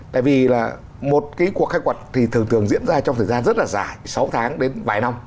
tại vì là một cái cuộc khai quật thì thường thường diễn ra trong thời gian rất là dài sáu tháng đến vài năm